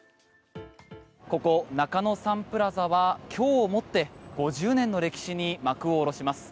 ここ中野サンプラザは今日をもって５０年の歴史に幕を下ろします。